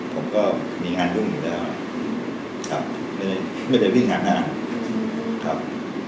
ผมก็มีงานวุ่งอีกได้ว่ะครับ